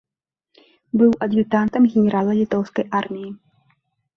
Быў ад'ютантам генерала літоўскай арміі.